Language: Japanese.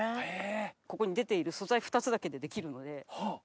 ここに出ている素材２つだけで出来るので。